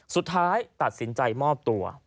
สุดท้ายตัดสินใจมอบตัว